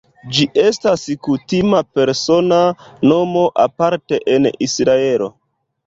Ĝi estas kutima persona nomo aparte en Israelo.